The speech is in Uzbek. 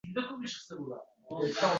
Parvardigor erur otim.